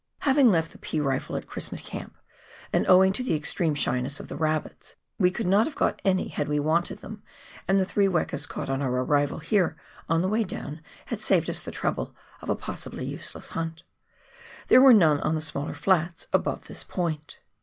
Having left the pea rifle at Christmas Camp, and owing to the extreme shyness of the rabbits, we could not have got any had we wanted them, and the three wekas, caught on our arrival here on the way down, had saved us the trouble of a possibly useless hunt. There were none on the smaller flats above this point.